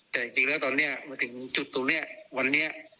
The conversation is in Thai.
แต่จริงแล้วตอนนี้มาถึงจุดตรงนี้วันนี้